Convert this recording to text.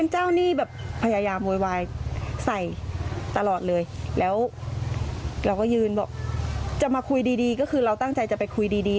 จะมาคุยดีก็คือเราตั้งใจจะไปคุยดี